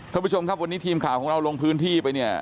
ทุกคนค่ะวันนี้ทีมข่าวของเราลงพื้นที่ไปเนี่ย